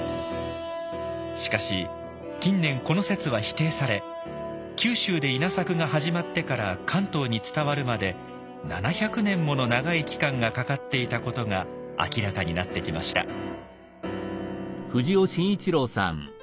しかし近年この説は否定され九州で稲作が始まってから関東に伝わるまで７００年もの長い期間がかかっていたことが明らかになってきました。